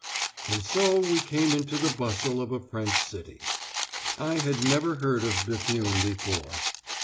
And so we came into the bustle of a French city. I had never heard of Béthune before.